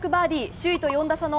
首位と４打差の